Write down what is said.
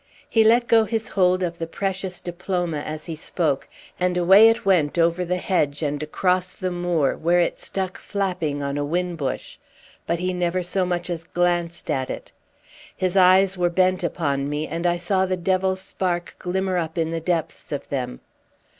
He let go his hold of the precious diploma as he spoke, and away it went over the hedge and across the moor, where it stuck flapping on a whin bush; but he never so much as glanced at it. His eyes were bent upon me, and I saw the devil's spark glimmer up in the depths of them.